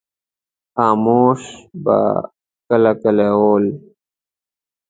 خاموش به کله کله ویل.